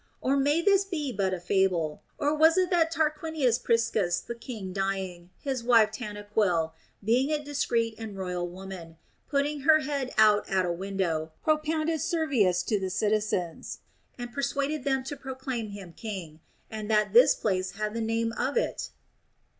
Or may this be but a fable ; and was it that Tarquinius Priscus the king dying, his wife Tanaquil, being a discreet and royal woman, putting her head out at a window, propounded Servius to the citizens, and persuaded them to proclaim him king ; and that this place had the name of it